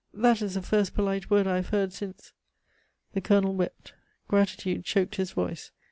"That is the first polite word I have heard since " The Colonel wept. Gratitude choked his voice.